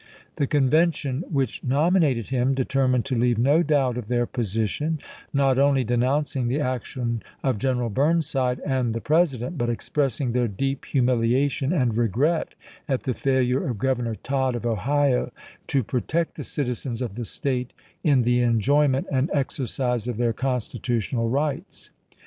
The convention which nominated him de termined to leave no doubt of their position, not only denouncing the action of General Burnside and the President, but expressing their deep hu miliation and regret at the failure of Governor VALLANDIGHAM 355 Tod of Ohio to protect the citizens of the State in chap, xii the enjoyment and exercise of their constitutional rights.